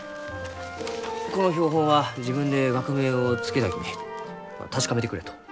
この標本は自分で学名を付けたき確かめてくれと。